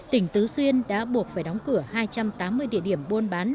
tỉnh tứ xuyên đã buộc phải đóng cửa hai trăm tám mươi địa điểm buôn bán